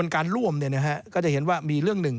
การร่วมเนี่ยนะฮะก็จะเห็นว่ามีเรื่องหนึ่ง